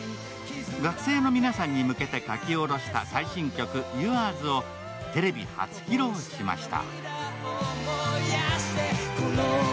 学生の皆さんに向けて書き下ろした最新曲「ユアーズ」をテレビ初披露しました。